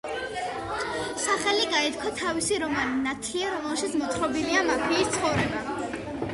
სახელი გაითქვა თავისი რომანით „ნათლია“, რომელშიც მოთხრობილია მაფიის ცხოვრება.